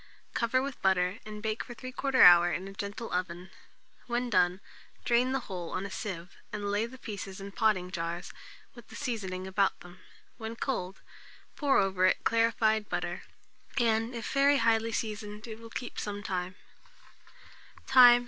Cover with butter, and bake for 3/4 hour in a gentle oven. When done, drain the whole on a sieve, and lay the pieces in potting jars, with the seasoning about them. When cold, pour over it clarified butter, and, if very highly seasoned, it will keep some time.